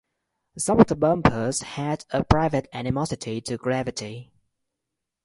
Some of the bumpers had a private animosity to gravity.